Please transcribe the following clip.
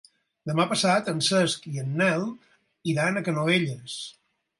Demà passat en Cesc i en Nel iran a Canovelles.